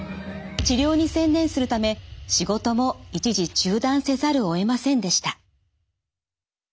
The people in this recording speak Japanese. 治療に専念するため仕事も一時中断せざるをえませんでした。